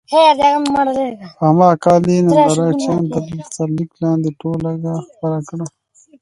په همدغه کال یې ننداره چیان تر سرلیک لاندې ټولګه خپره کړه.